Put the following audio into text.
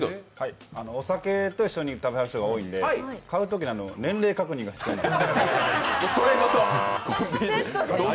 お酒と一緒に食べはる人が多いんで買うときに年齢確認が必要になる。